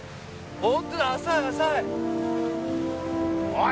おい。